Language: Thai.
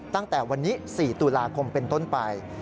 ตั้งแต่วันนี้๔ตุลาคมเป็นต้นไป